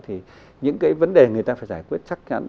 thì những cái vấn đề người ta phải giải quyết chắc chắn